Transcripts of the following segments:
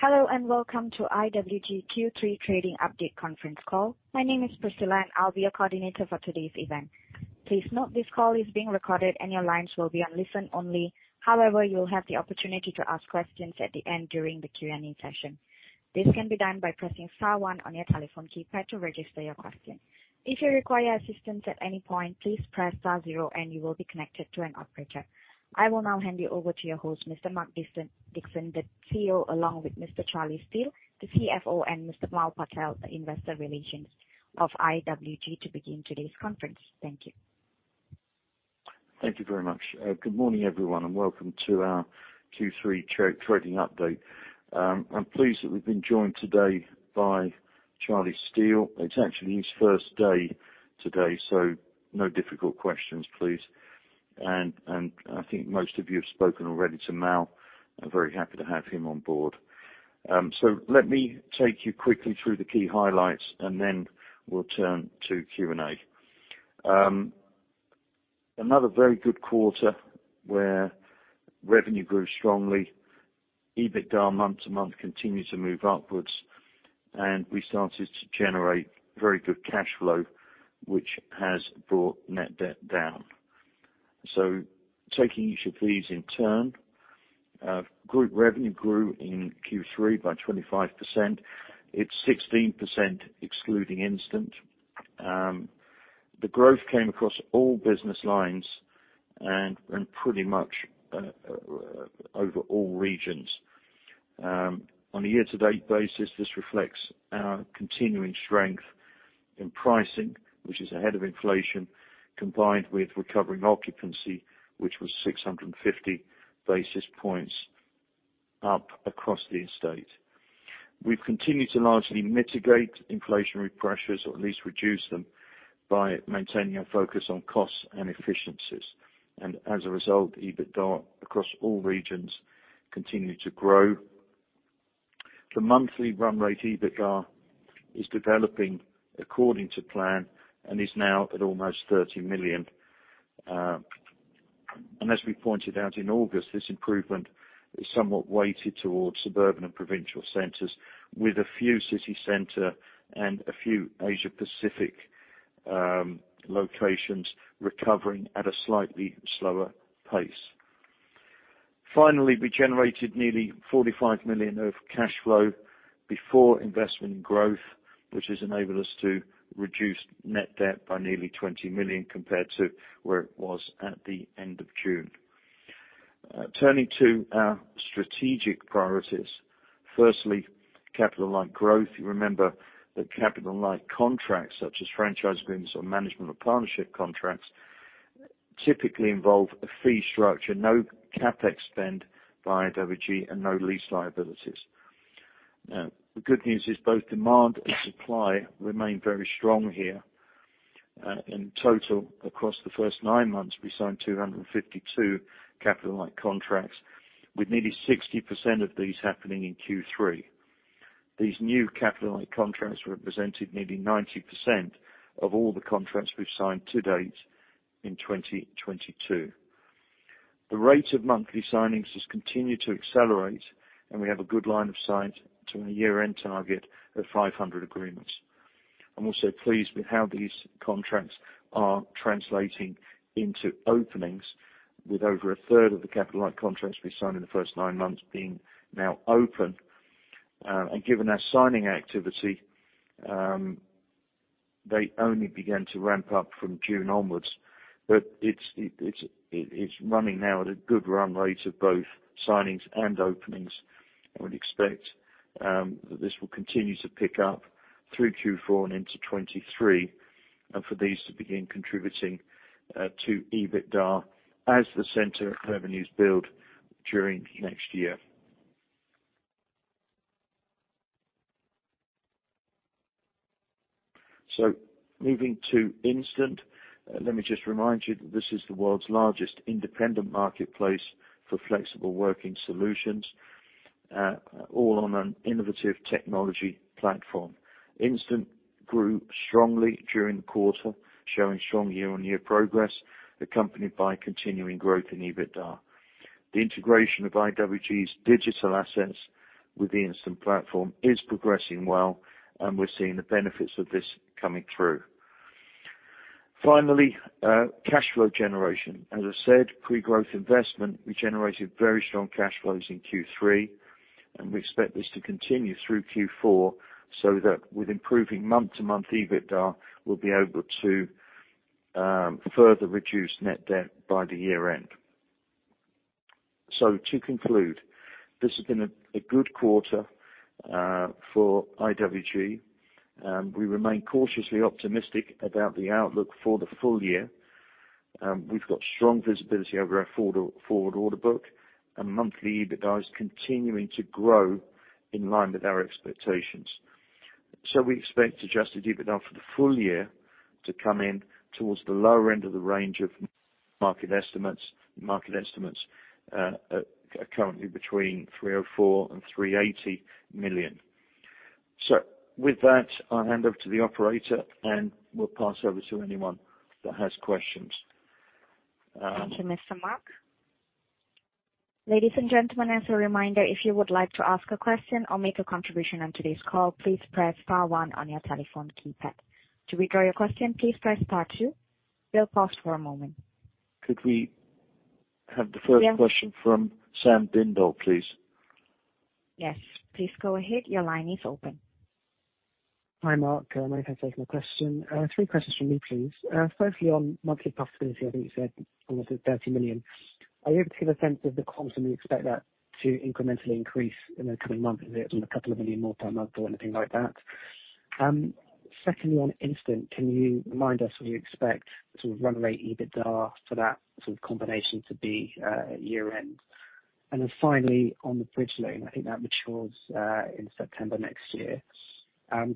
Hello, and welcome to IWG Q3 trading update conference call. My name is Priscilla, and I'll be your coordinator for today's event. Please note this call is being recorded, and your lines will be on listen only. However, you'll have the opportunity to ask questions at the end during the Q&A session. This can be done by pressing star one on your telephone keypad to register your question. If you require assistance at any point, please press star zero and you will be connected to an operator. I will now hand you over to your host, Mr. Mark Dixon, the CEO, along with Mr. Charlie Steel, the CFO, and Mr. Mal Patel, the Investor Relations of IWG, to begin today's conference. Thank you. Thank you very much. Good morning, everyone, and welcome to our Q3 trading update. I'm pleased that we've been joined today by Charlie Steel. It's actually his first day today, so no difficult questions, please. I think most of you have spoken already to Mal. I'm very happy to have him on board. Let me take you quickly through the key highlights, and then we'll turn to Q&A. Another very good quarter where revenue grew strongly. EBITDA month-to-month continued to move upwards, and we started to generate very good cash flow, which has brought net debt down. Taking each of these in turn, group revenue grew in Q3 by 25%. It's 16% excluding Instant. The growth came across all business lines and pretty much over all regions. On a year-to-date basis, this reflects our continuing strength in pricing, which is ahead of inflation, combined with recovering occupancy, which was 650 basis points up across the estate. We've continued to largely mitigate inflationary pressures, or at least reduce them, by maintaining a focus on costs and efficiencies. As a result, EBITDA across all regions continue to grow. The monthly run rate EBITDA is developing according to plan and is now at almost 30 million. As we pointed out in August, this improvement is somewhat weighted towards suburban and provincial centers, with a few city center and a few Asia-Pacific locations recovering at a slightly slower pace. Finally, we generated nearly 45 million of cash flow before investment in growth, which has enabled us to reduce net debt by nearly 20 million compared to where it was at the end of June. Turning to our strategic priorities. Firstly, capital -ight growth. You remember that capital-light contracts, such as franchise agreements or management or partnership contracts, typically involve a fee structure, no CapEx spend by IWG and no lease liabilities. Now, the good news is both demand and supply remain very strong here. In total, across the first nine months, we signed 252 capital-light contracts, with nearly 60% of these happening in Q3. These new capital-light contracts represented nearly 90% of all the contracts we've signed to date in 2022. The rate of monthly signings has continued to accelerate, and we have a good line of sight to a year-end target of 500 agreements. I'm also pleased with how these contracts are translating into openings, with over a third of the capital-light contracts we signed in the first nine months being now open. Given our signing activity, they only began to ramp up from June onwards, but it's running now at a good run rate of both signings and openings. I would expect that this will continue to pick up through Q4 and into 2023, and for these to begin contributing to EBITDA as the center of revenues build during next year. Moving to Instant, let me just remind you that this is the world's largest independent marketplace for flexible working solutions, all on an innovative technology platform. Instant grew strongly during the quarter, showing strong year-on-year progress, accompanied by continuing growth in EBITDA. The integration of IWG's digital assets with the Instant platform is progressing well, and we're seeing the benefits of this coming through. Finally, cash flow generation. As I said, pre-growth investment, we generated very strong cash flows in Q3, and we expect this to continue through Q4, so that with improving month-to-month EBITDA, we'll be able to further reduce net debt by the year end. To conclude, this has been a good quarter for IWG. We remain cautiously optimistic about the outlook for the full year. We've got strong visibility over our forward order book and monthly EBITDA is continuing to grow in line with our expectations. We expect adjusted EBITDA for the full year to come in towards the lower end of the range of market estimates. Market estimates are currently between 304 million and 380 million. With that, I'll hand over to the operator, and we'll pass over to anyone that has questions. Thank you, Mr. Mark. Ladies and gentlemen, as a reminder, if you would like to ask a question or make a contribution on today's call, please press star one on your telephone keypad. To withdraw your question, please press star two. We'll pause for a moment. Could we have the first question? Yes from Sam Bland, please? Yes, please go ahead. Your line is open. Hi, Mark. Many thanks for taking my question. Three questions from me, please. Firstly, on monthly profitability, I think you said almost at 30 million. Are you able to give a sense of the quantum you expect that to incrementally increase in the coming months? Is it 2 million more per month or anything like that? Secondly, on the Instant Group, can you remind us what you expect sort of run rate EBITDA for that sort of combination to be at year-end? Finally, on the bridge loan, I think that matures in September next year.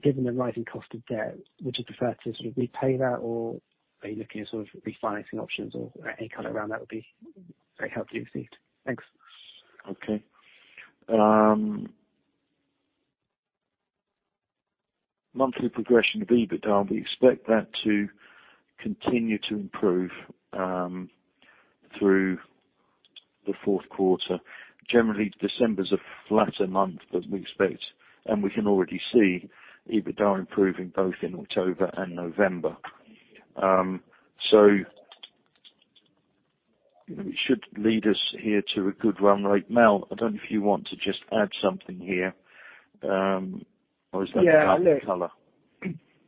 Given the rising cost of debt, would you prefer to sort of repay that, or are you looking at sort of refinancing options or any color around that would be very helpful indeed. Thanks. Okay. Monthly progression of EBITDA, we expect that to continue to improve through the Q4. Generally, December's a flatter month that we expect, and we can already see EBITDA improving both in October and November. It should lead us here to a good run rate. Mal, I don't know if you want to just add something here, or is that the kind of color?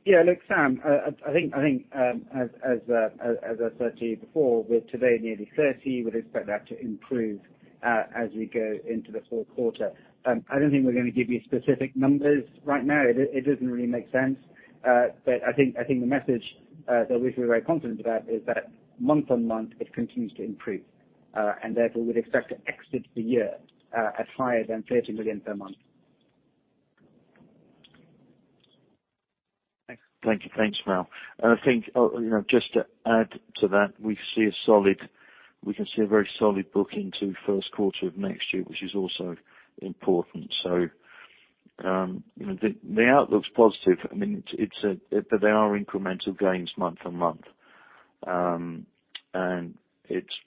Yeah, look, Sam, I think as I said to you before, we're today nearly 30. We'd expect that to improve as we go into the Q4. I don't think we're gonna give you specific numbers right now. It doesn't really make sense. I think the message that we feel very confident about is that month-on-month it continues to improve, and therefore we'd expect to exit the year at higher than 30 million per month. Thanks. Thank you. Thanks, Mal. I think, you know, just to add to that, we can see a very solid book into Q1 of next year, which is also important. You know, the outlook's positive. I mean, but there are incremental gains month-on-month.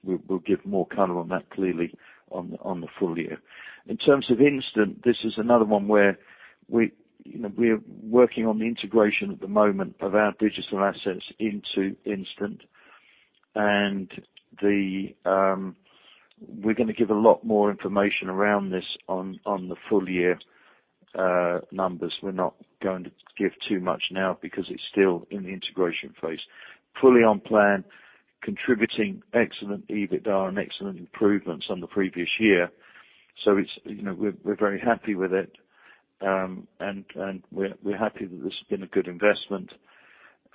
We'll give more color on that clearly on the full year. In terms of Instant, this is another one where we, you know, we're working on the integration at the moment of our digital assets into Instant. We're gonna give a lot more information around this on the full year numbers. We're not going to give too much now because it's still in the integration phase. Fully on plan, contributing excellent EBITDA and excellent improvements on the previous year. It's, you know, we're very happy with it. We're happy that this has been a good investment.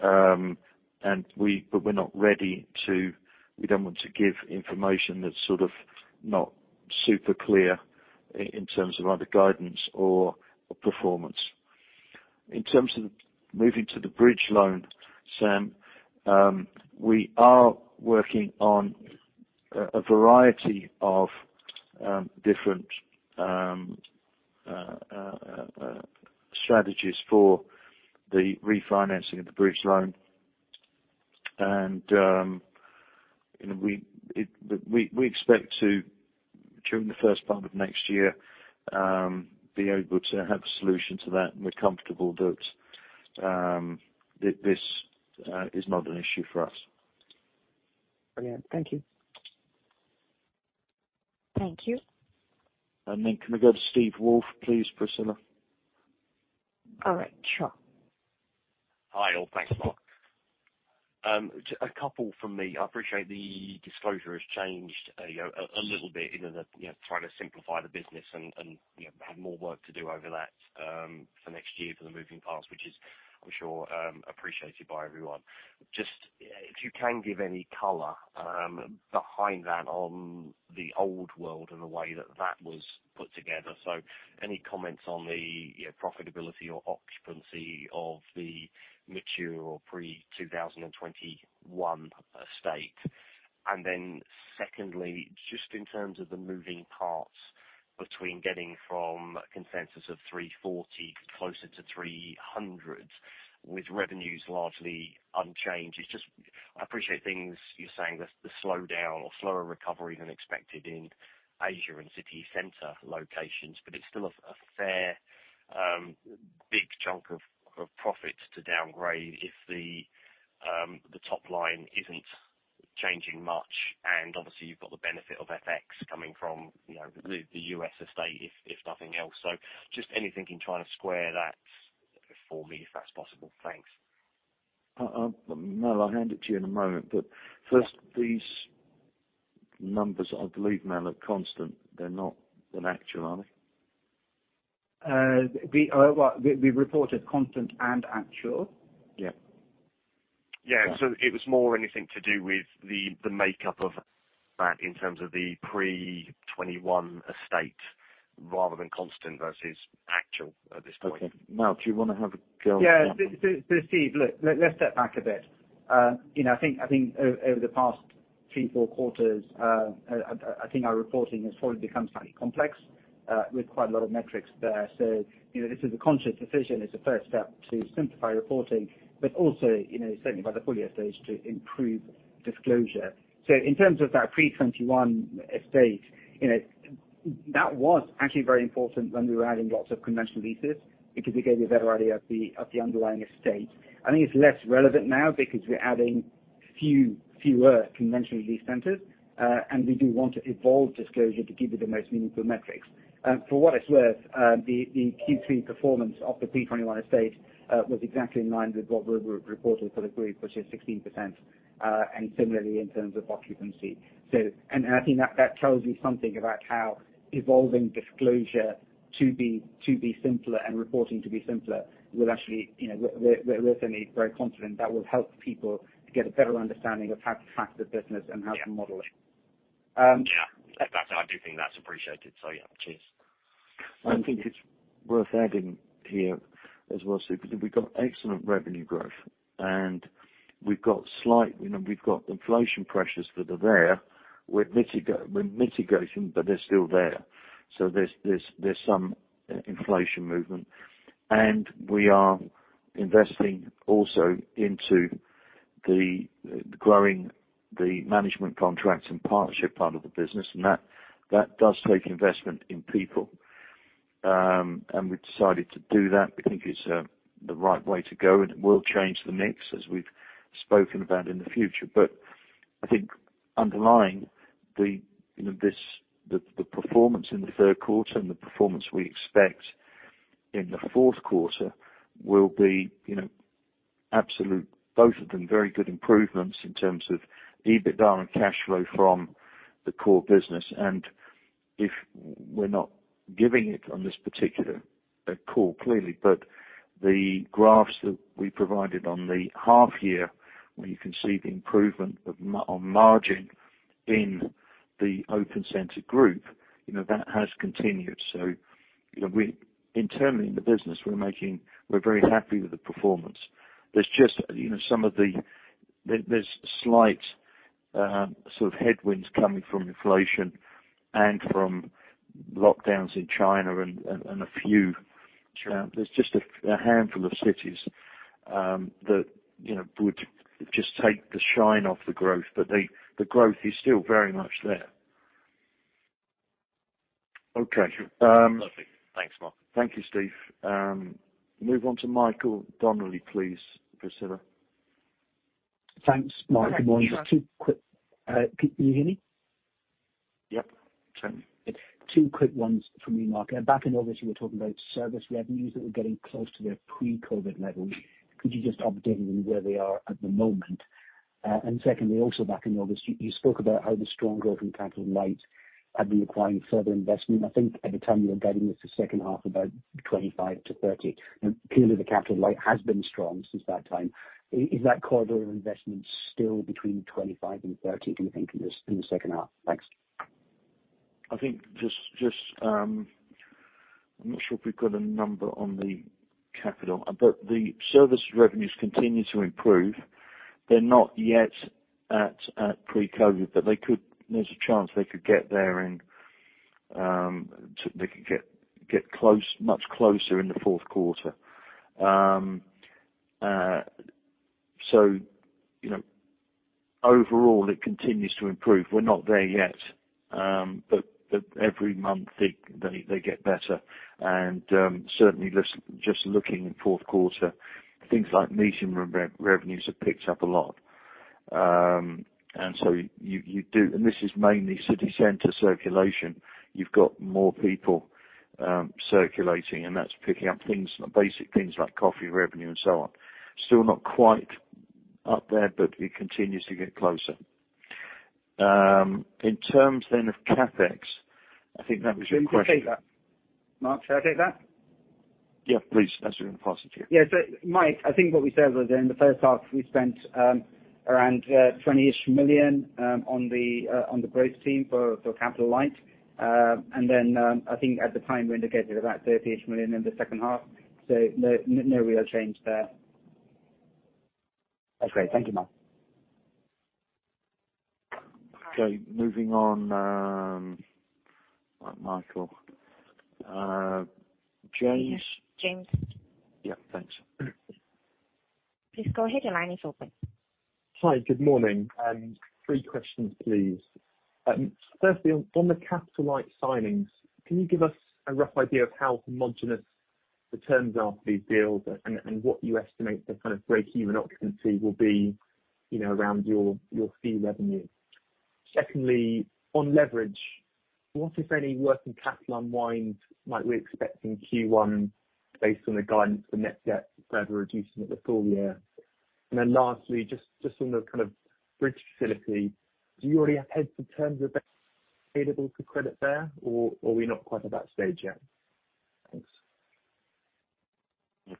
We're not ready to give information that's sort of not super clear in terms of either guidance or performance. In terms of moving to the bridge loan, Sam, we are working on a variety of different strategies for the refinancing of the bridge loan. We expect to, during the first part of next year, be able to have a solution to that. We're comfortable that this is not an issue for us. Brilliant. Thank you. Thank you. Can we go to Steve Woolf, please, Priscilla? All right, sure. Hi, all. Thanks, Mark. A couple from me. I appreciate the disclosure has changed, you know, a little bit in order, you know, trying to simplify the business and, you know, have more work to do over that, for next year for the moving parts, which is for sure, appreciated by everyone. Just if you can give any color behind that on the old world and the way that that was put together. Any comments on the, you know, profitability or occupancy of the mature or pre-2021 estate? And then secondly, just in terms of the moving parts between getting from a consensus of 340 closer to 300 with revenues largely unchanged. It's just I appreciate things you're saying the slowdown or slower recovery than expected in Asia and city center locations, but it's still a fairly big chunk of profits to downgrade if the top line isn't changing much. Obviously you've got the benefit of FX coming from, you know, the US estate if nothing else. Just anything in trying to square that for me, if that's possible. Thanks. Mal, I'll hand it to you in a moment, but first these numbers, I believe, Mal, are constant. They're not an actual, are they? We reported constant and actual. Yeah. Yeah. It was more anything to do with the makeup of that in terms of the pre-21 estate rather than constant versus actual at this point. Okay. Mal, do you wanna have a go at that one? Yeah. Steve, look, let's step back a bit. You know, I think over the past three, four quarters, I think our reporting has probably become slightly complex with quite a lot of metrics there. You know, this is a conscious decision as a first step to simplify reporting, but also, you know, certainly by the full-year stage, to improve disclosure. In terms of that pre-2021 estate, you know, that was actually very important when we were adding lots of conventional leases because we gave you a better idea of the underlying estate. I think it's less relevant now because we're adding fewer conventional lease centers, and we do want to evolve disclosure to give you the most meaningful metrics. For what it's worth, the Q3 performance of the pre-2021 estate was exactly in line with what we reported for the group, which is 16%, and similarly in terms of occupancy. I think that tells you something about how evolving disclosure to be simpler and reporting to be simpler will actually, you know, we're certainly very confident that will help people to get a better understanding of how to price the business and how to model it. Yeah. In fact, I do think that's appreciated. Yeah, cheers. I think it's worth adding here as well, Steve, because we've got excellent revenue growth and we've got slight, you know, we've got inflation pressures that are there. We're mitigating, but they're still there. There's some inflation movement, and we are investing also into growing the management contracts and partnerships part of the business, and that does take investment in people. We've decided to do that. We think it's the right way to go, and it will change the mix as we've spoken about in the future. I think underlying the performance in the Q3 and the performance we expect in the Q4 will be absolute. Both of them, very good improvements in terms of EBITDA and cash flow from the core business. If we're not giving it on this particular call clearly, but the graphs that we provided on the half-year, where you can see the improvement on margin in the open center group, you know, that has continued. So, you know, internally in the business we're making, we're very happy with the performance. There's just, you know, slight sort of headwinds coming from inflation and from lockdowns in China and a handful of cities, you know, that would just take the shine off the growth. But the growth is still very much there. Sure. Perfect. Thanks, Mark. Thank you, Steve. Move on to Michael Donnelly, please, Priscilla. Thanks, Mark. Good morning. Hi, Michael. Can you hear me? Yep. Can. Two quick ones from me, Mark. Back in August, you were talking about service revenues that were getting close to their pre-COVID levels. Could you just update me on where they are at the moment? Secondly, also back in August, you spoke about how the strong growth in capital-light had been requiring further investment. I think at the time you were guiding us to second half about 25-30. Now, clearly the capital-light has been strong since that time. Is that corridor of investment still between 25 and 30, do you think, in the second half? Thanks. I think just, I'm not sure if we've got a number on the CapEx, but the service revenues continue to improve. They're not yet at pre-COVID, but they could, there's a chance they could get there and, they could get close, much closer in the Q4. You know, overall it continues to improve. We're not there yet, but every month they get better. Certainly just looking in Q4, things like meeting room revenues have picked up a lot. This is mainly city center circulation. You've got more people circulating and that's picking up things, basic things like coffee revenue and so on. Still not quite up there, but it continues to get closer. In terms then of CapEx, I think that was your question. Can I take that? Mark, shall I take that? Yeah, please. As we're gonna pass it to you. Mike, I think what we said was in the first half we spent around 20-ish million on the growth team for capital-light. Then I think at the time we indicated about 30-ish million in the second half. No real change there. That's great. Thank you, Mal. Okay, moving on. Michael, James? James. Yeah. Thanks. Please go ahead, your line is open. Hi, good morning. Three questions, please. Firstly, on the capital-light signings, can you give us a rough idea of how homogenous the terms are for these deals and what you estimate the kind of breakeven occupancy will be, you know, around your fee revenue? Secondly, on leverage, what, if any, working capital unwind might we expect in Q1 based on the guidance for net debt further reducing at the full year? Lastly, just on the kind of bridge facility, do you already have heads of terms that are payable to credit there, or are we not quite at that stage yet?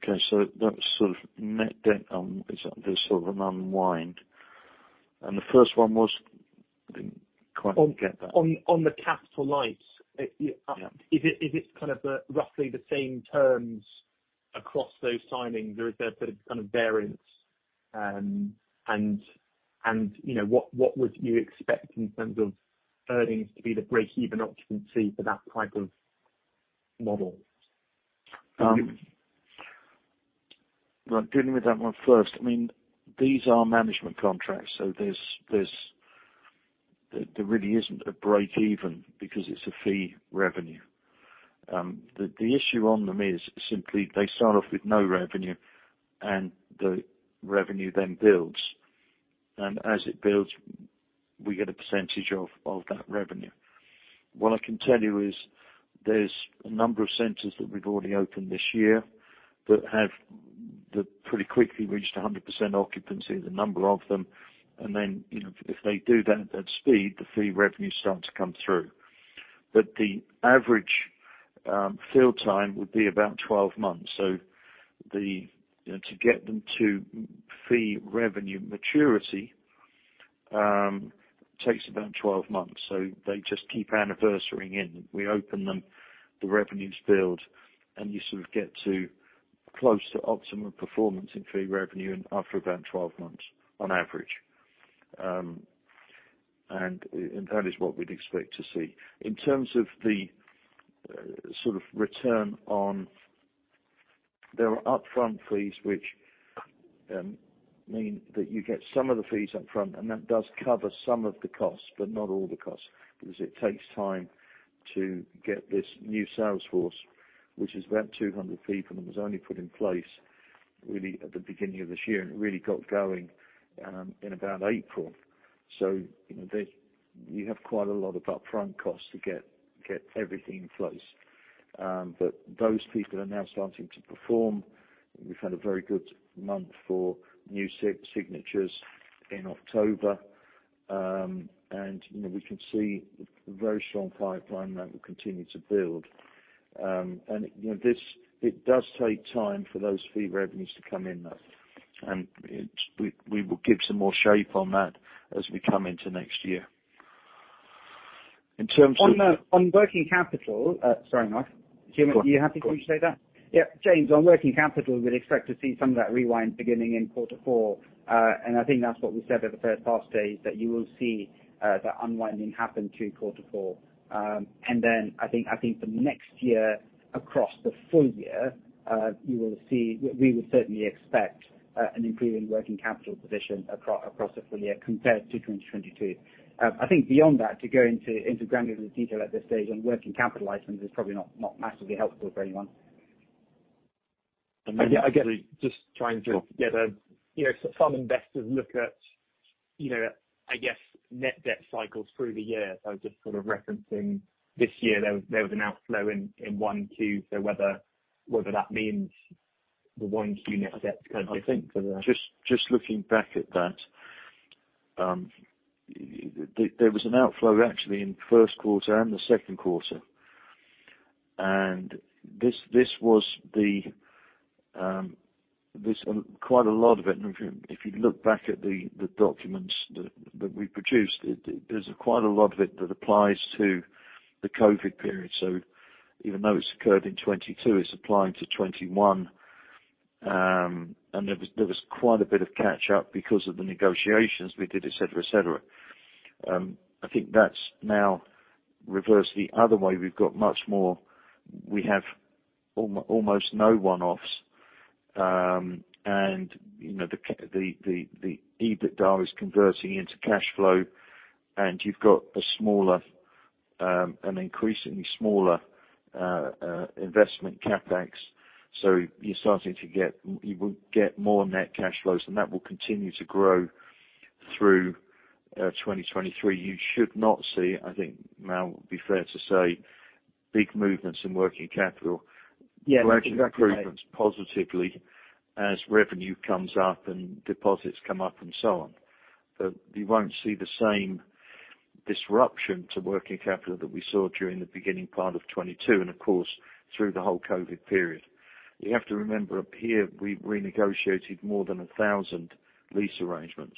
Thanks. Okay. That's sort of net debt, is there sort of an unwind. The first one was? On the capital-lights. Yeah. Is it kind of roughly the same terms across those signings or is there sort of variance, and you know, what would you expect in terms of earnings to be the breakeven occupancy for that type of model? Well, dealing with that one first, I mean, these are management contracts, so there really isn't a breakeven because it's a fee revenue. The issue on them is simply they start off with no revenue and the revenue then builds. As it builds, we get a percentage of that revenue. What I can tell you is there's a number of centers that we've already opened this year that have that pretty quickly reached 100% occupancy, the number of them, and then, you know, if they do that speed, the fee revenue start to come through. The average fill time would be about 12 months. You know, to get them to fee revenue maturity takes about 12 months. They just keep anniversarying in. We open them, the revenues build, and you sort of get to close to optimum performance in fee revenue after about 12 months on average. That is what we'd expect to see. There are upfront fees which mean that you get some of the fees up front, and that does cover some of the costs, but not all the costs, because it takes time to get this new sales force, which is about 200 people, and was only put in place really at the beginning of this year, and it really got going in about April. You know, they, we have quite a lot of upfront costs to get everything in place. Those people are now starting to perform. We've had a very good month for new signatures in October. You know, we can see a very strong pipeline that will continue to build. You know, this, it does take time for those fee revenues to come in, though. We will give some more shape on that as we come into next year. In terms of On working capital. Sorry, Mark. Go on. Do you mind? Are you happy for me to say that? Yeah, James, on working capital, we'd expect to see some of that unwind beginning in quarter four. I think that's what we said over the past few days, that you will see that unwinding happen through quarter four. I think for next year, across the full year, you will see we would certainly expect an improving working capital position across the full year compared to 2022. I think beyond that, to go into granular detail at this stage on working capital items is probably not massively helpful for anyone. Yeah, I guess just trying to get a Sure. You know, some investors look at, you know, I guess, net debt cycles through the year. Just sort of referencing this year, there was an outflow in one Q. Whether that means the one Q net debt kind of I think just looking back at that, there was an outflow actually in the Q1 and the Q2. This was quite a lot of it, and if you look back at the documents that we produced, there's quite a lot of it that applies to the COVID period. Even though it's occurred in 2022, it's applying to 2021. And there was quite a bit of catch up because of the negotiations we did, et cetera. I think that's now reversed the other way. We've got much more. We have almost no one-offs. And, you know, the EBITDA is converting into cash flow, and you've got a smaller, an increasingly smaller investment CapEx. You're starting to get, you will get more net cash flows, and that will continue to grow through 2023. You should not see, I think Mal would be fair to say, big movements in working capital. Yeah Large improvements positively as revenue comes up and deposits come up and so on. You won't see the same disruption to working capital that we saw during the beginning part of 2022 and of course, through the whole COVID period. You have to remember up here, we renegotiated more than 1,000 lease arrangements,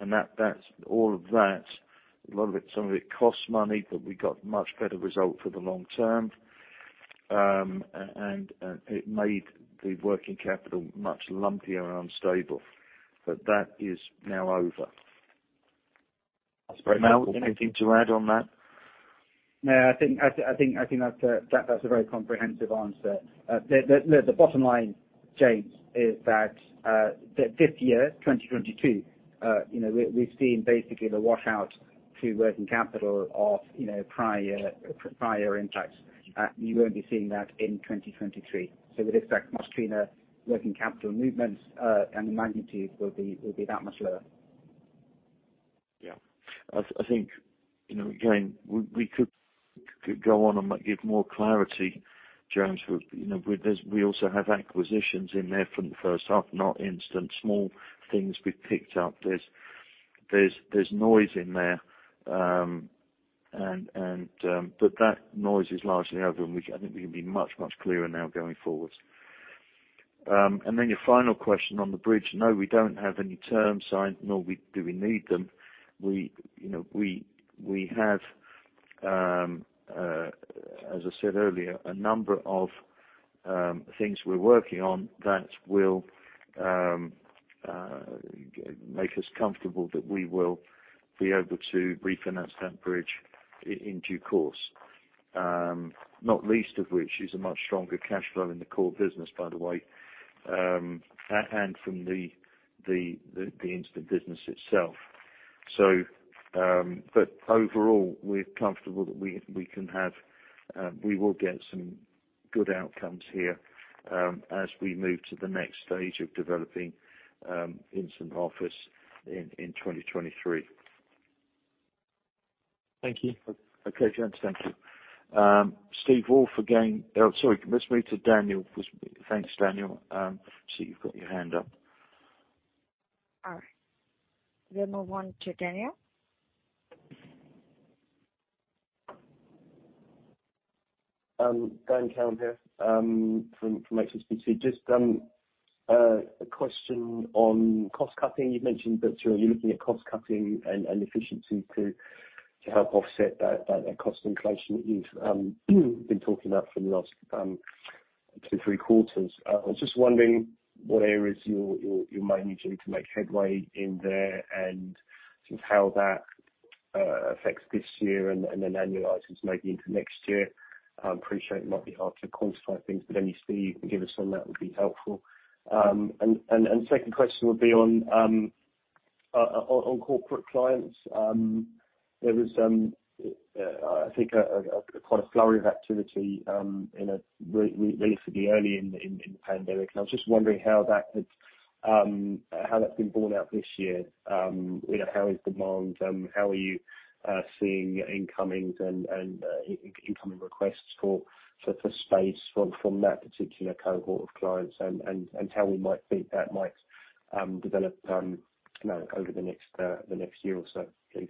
and that's all of that, a lot of it, some of it costs money, but we got much better result for the long term. It made the working capital much lumpier and unstable. That is now over. That's very helpful. Mal, anything to add on that? No, I think that's a very comprehensive answer. The bottom line, James, is that this year, 2022, you know, we've seen basically the washout to working capital of, you know, prior impacts. You won't be seeing that in 2023. We'd expect much cleaner working capital movements, and the magnitude will be that much lower. Yeah. I think, you know, again, we could go on and give more clarity, James. We also have acquisitions in there from the first half, not instant, small things we've picked up. There's noise in there. That noise is largely over and we can, I think we can be much clearer now going forward. Then your final question on the bridge. No, we don't have any terms signed, nor do we need them. We, you know, have, as I said earlier, a number of things we're working on that will make us comfortable that we will be able to refinance that bridge in due course. Not least of which is a much stronger cash flow in the core business, by the way, and from the Instant business itself. Overall, we're comfortable that we will get some good outcomes here, as we move to the next stage of developing Instant office in 2023. Thank you. Okay, James. Thank you. Let's move to Daniel. Thanks, Daniel. See you've got your hand up. All right. We'll move on to Daniel. Daniel Cowan here, from HSBC. Just a question on cost cutting. You've mentioned that you're looking at cost cutting and efficiency to help offset that cost inflation that you've been talking about for the last 2, 3 quarters. I was just wondering what areas you're managing to make headway in there and sort of how that affects this year and then annualize maybe into next year. I appreciate it might be hard to quantify things, but any steer you can give us on that would be helpful. Second question would be on corporate clients. There was, I think, quite a flurry of activity in a relatively early in the pandemic, and I was just wondering how that's been borne out this year. You know, how is demand? How are you seeing incoming requests for space from that particular cohort of clients and how we might think that might develop, you know, over the next year or so, please?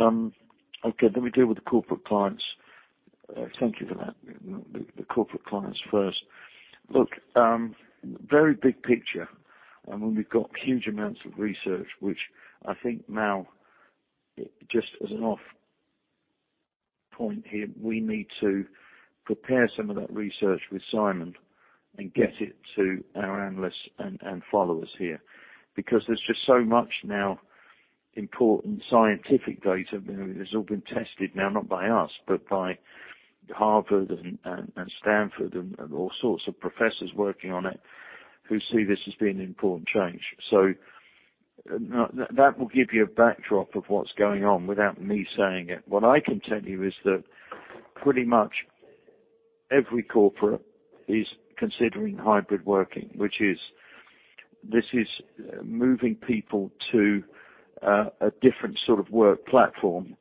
Okay, let me deal with the corporate clients. Thank you for that. The corporate clients first. Look, very big picture, and when we've got huge amounts of research, which I think now, just as an off point here, we need to prepare some of that research with Simon and get it to our analysts and followers here. Because there's just so much now important scientific data. I mean, it's all been tested now, not by us, but by Harvard and Stanford and all sorts of professors working on it who see this as being an important change. That will give you a backdrop of what's going on without me saying it. What I can tell you is that pretty much every corporate is considering hybrid working, which is moving people to a different sort of work platform,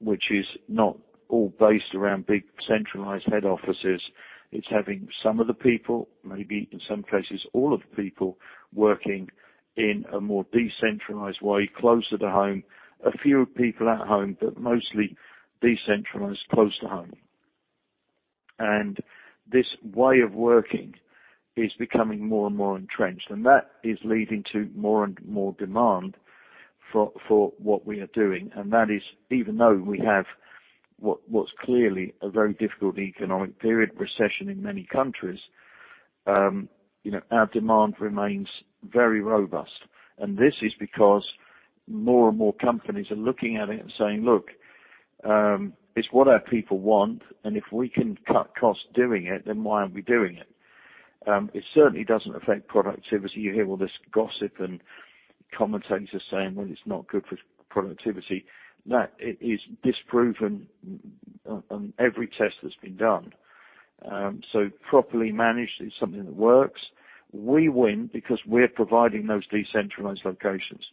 which is not all based around big centralized head offices. It's having some of the people, maybe in some cases all of the people, working in a more decentralized way, closer to home, a few people at home, but mostly decentralized, close to home. This way of working is becoming more and more entrenched, and that is leading to more and more demand for what we are doing. That is even though we have what's clearly a very difficult economic period, recession in many countries, you know, our demand remains very robust. This is because more and more companies are looking at it and saying, "Look, it's what our people want, and if we can cut costs doing it, then why aren't we doing it?" It certainly doesn't affect productivity. You hear all this gossip and commentators saying, "Well, it's not good for productivity." That is disproven on every test that's been done. Properly managed is something that works. We win because we're providing those decentralized locations.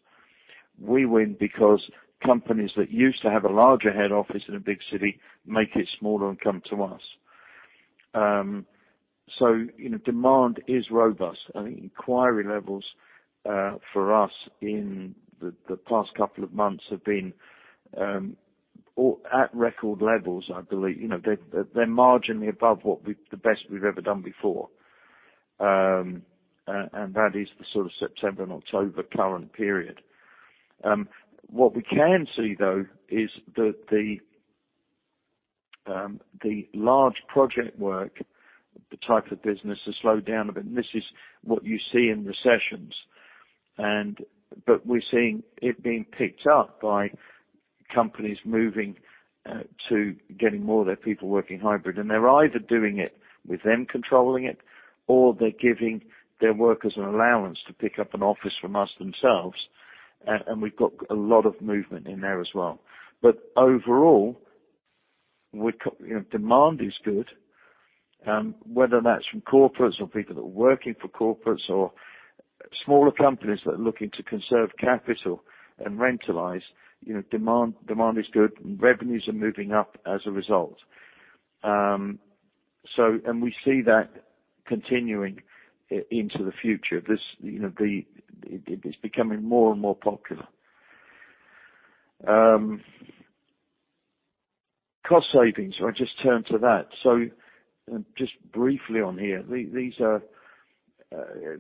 We win because companies that used to have a larger head office in a big city make it smaller and come to us. You know, demand is robust. I think inquiry levels for us in the past couple of months have been all at record levels, I believe. You know, they're marginally above the best we've ever done before. That is the sort of September and October current period. What we can see though is that the large project work, the type of business has slowed down a bit, and this is what you see in recessions. We're seeing it being picked up by companies moving to getting more of their people working hybrid. They're either doing it with them controlling it or they're giving their workers an allowance to pick up an office from us themselves. We've got a lot of movement in there as well. Overall, you know, demand is good, whether that's from corporates or people that are working for corporates or smaller companies that are looking to conserve capital and rentalize, you know, demand is good, and revenues are moving up as a result. We see that continuing into the future. This, you know, it's becoming more and more popular. Cost savings. I just turned to that. Just briefly on here, these are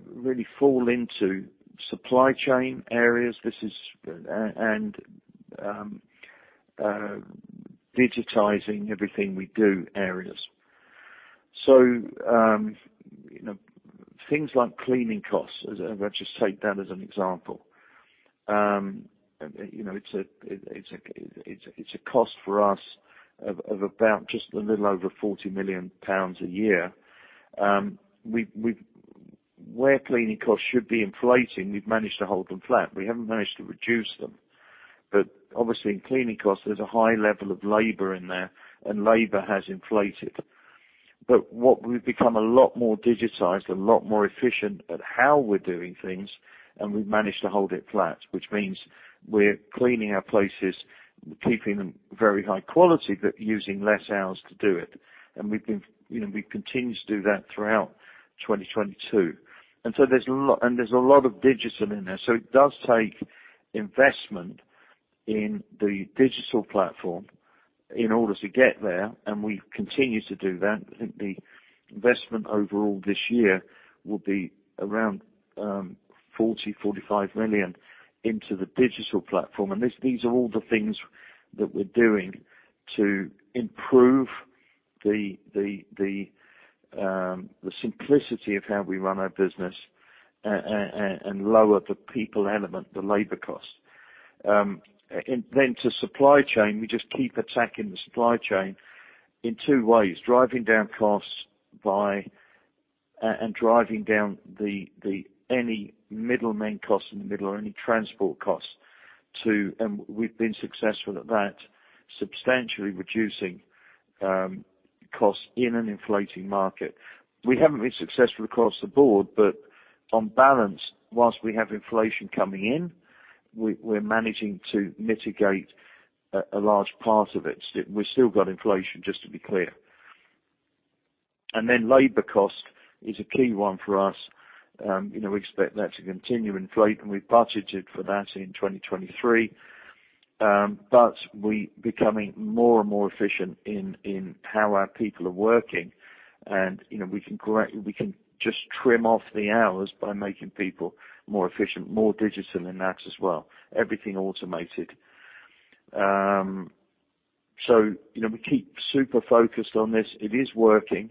really fall into supply chain areas. This is digitizing everything we do areas. You know, things like cleaning costs, as I just take that as an example. You know, it's a cost for us of about just a little over 40 million pounds a year. We've... Where cleaning costs should be inflating, we've managed to hold them flat. We haven't managed to reduce them. Obviously in cleaning costs, there's a high level of labor in there, and labor has inflated. What we've become a lot more digitized, a lot more efficient at how we're doing things, and we've managed to hold it flat, which means we're cleaning our places, keeping them very high quality, but using less hours to do it. We continue to do that throughout 2022. There's a lot of digital in there. It does take investment in the digital platform in order to get there, and we continue to do that. I think the investment overall this year will be around 40-45 million into the digital platform. These are all the things that we're doing to improve the simplicity of how we run our business and lower the people element, the labor cost. The supply chain, we just keep attacking the supply chain in two ways. Driving down costs and driving down any middleman costs or any transport costs too. We've been successful at that, substantially reducing costs in an inflating market. We haven't been successful across the board, but on balance, while we have inflation coming in, we're managing to mitigate a large part of it. Still, we still got inflation, just to be clear. Labor cost is a key one for us. You know, we expect that to continue to inflate, and we budgeted for that in 2023. But we're becoming more and more efficient in how our people are working. You know, we can just trim off the hours by making people more efficient, more digital in that as well. Everything automated. you know, we keep super focused on this. It is working.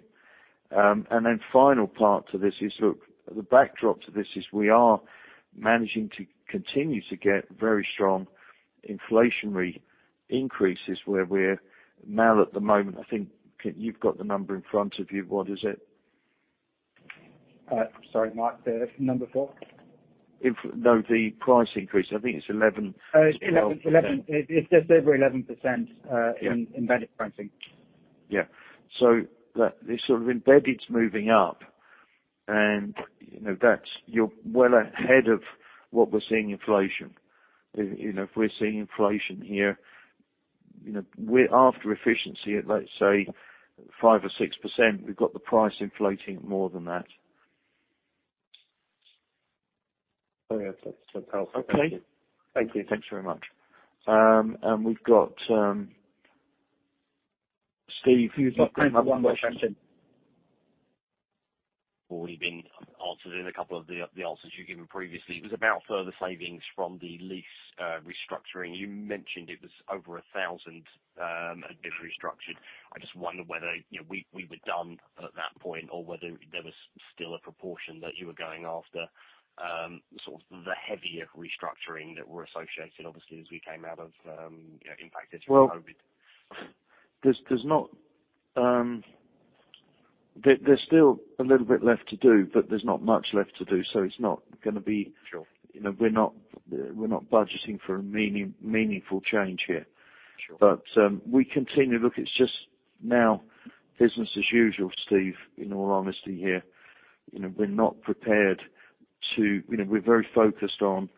Final part to this is, look, the backdrop to this is we are managing to continue to get very strong inflationary increases where we're now at the moment. I think you've got the number in front of you. What is it? Sorry, Mark, the number for? No, the price increase. I think it's 11- 11. 12. Yeah. It's just over 11%, in blended pricing. Yeah. That this sort of embedded is moving up and, you know, that's, you're well ahead of what we're seeing in inflation. You know, if we're seeing inflation here, you know, we're after efficiency at, let's say 5 or 6%, we've got the price inflating more than that. Oh, yeah. That's helpful. Okay. Thank you. Thanks very much. We've got, Steve, you've got I have one more question. Already been answered in a couple of the answers you've given previously. It was about further savings from the lease restructuring. You mentioned it was over a thousand that have been restructured. I just wonder whether, you know, we were done at that point or whether there was still a proportion that you were going after, sort of the heavier restructuring that were associated, obviously, as we came out of, you know, impact as a result of COVID. Well, there's still a little bit left to do, but there's not much left to do, so it's not gonna be. Sure. You know, we're not budgeting for a meaningful change here. Sure. We continue to look. It's just now business as usual, Steve, in all honesty here. You know, we're not prepared to. You know, we're very focused on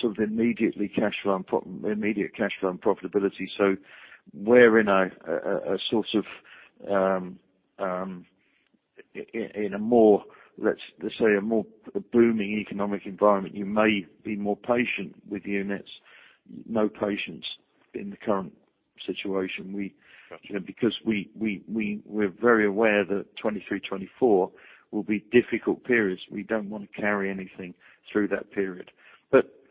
sort of immediate cashflow and profitability. We're in a sort of in a more, let's say, a more booming economic environment. You may be more patient with units. No patience in the current situation. We Got you. You know, because we're very aware that 2023, 2024 will be difficult periods. We don't wanna carry anything through that period.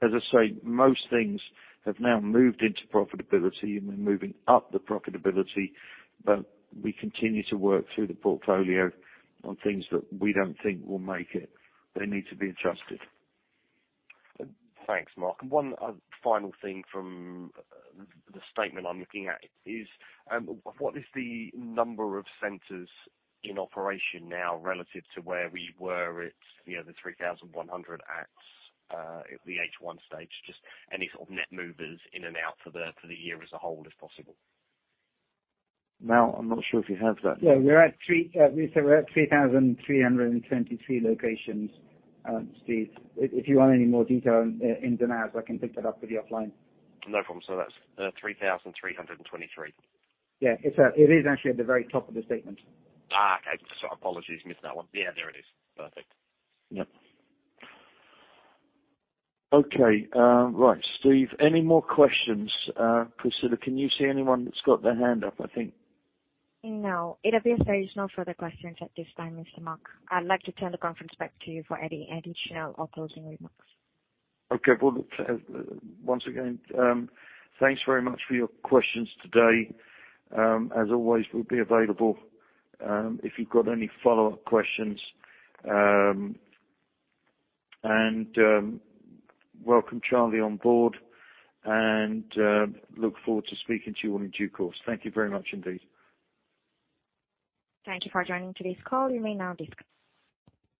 As I say, most things have now moved into profitability, and we're moving up the profitability, but we continue to work through the portfolio on things that we don't think will make it. They need to be adjusted. Thanks, Mark. One final thing from the statement I'm looking at is what is the number of centers in operation now relative to where we were at, you know, the 3,100 at the H1 stage? Just any sort of net movers in and out for the year as a whole as possible. Now, I'm not sure if you have that. Yeah. We said we're at 3,323 locations, Steve. If you want any more detail in detail, I can pick that up with you offline. No problem. That's 3,323? Yeah. It's, it is actually at the very top of the statement. Okay. Sorry, apologies. Missed that one. Yeah, there it is. Perfect. Yep. Okay. Right, Steve, any more questions? Priscilla, can you see anyone that's got their hand up, I think? No. It appears there is no further questions at this time, Mr. Dixon. I'd like to turn the conference back to you for any additional or closing remarks. Okay. Well, once again, thanks very much for your questions today. As always, we'll be available if you've got any follow-up questions. Welcome Charlie on board, and look forward to speaking to you all in due course. Thank you very much indeed. Thank you for joining today's call. You may now disconnect.